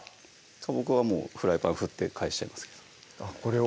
僕はもうフライパン振って返しちゃいますけどこれを？